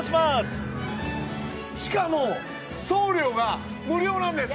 しかも送料が無料なんです。